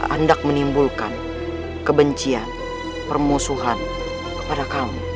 andak menimbulkan kebencian permusuhan kepada kamu